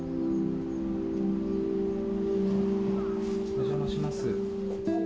お邪魔します。